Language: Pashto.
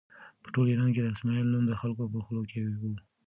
په ټول ایران کې د اسماعیل نوم د خلکو په خولو کې و.